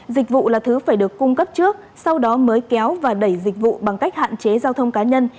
dịch vụ là thứ phải được cung cấp trước sau đó mới kéo và đẩy dịch vụ bằng cách hạn chế giao thông cá nhân